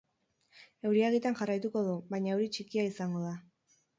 Euria egiten jarraituko du, baina euri txikia izango da.